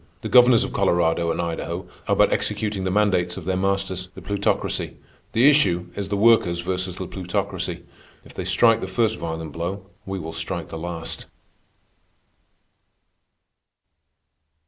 The governors of Colorado and Idaho are but executing the mandates of their masters, the Plutocracy. The issue is the Workers versus the Plutocracy. If they strike the first violent blow, we will strike the last.